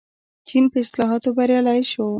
چین په اصلاحاتو بریالی شو.